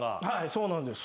そうなんです。